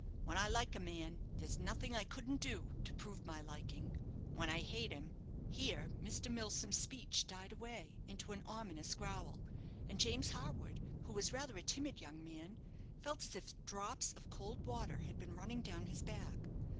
When I like a man there's nothing I couldn't do to prove my liking; when I hate him " Here Mr. Milsom's speech died away into an ominous growl; and James Harwood, who was rather a timid young man, felt as if drops of cold water had been running down his back.